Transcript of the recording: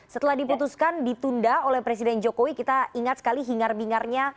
setelah diputuskan ditunda oleh presiden jokowi kita ingat sekali hingar bingarnya